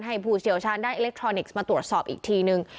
ผู้เชี่ยวชาญได้อิเล็กทรอนิกส์มาตรวจสอบอีกทีนึง